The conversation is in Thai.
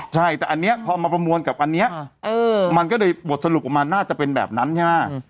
ใช่แต่อันนี้พอมาประมวลกับอันนี้มันก็เลยบทสรุปออกมาน่าจะเป็นแบบนั้นใช่ไหม